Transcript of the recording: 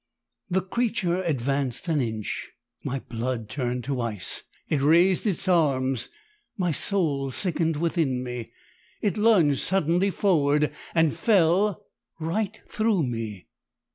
"The creature advanced an inch my blood turned to ice; it raised its arms my soul sickened within me; it lunged suddenly forward and fell right through me.